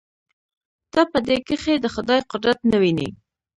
ته په دې کښې د خداى قدرت نه وينې.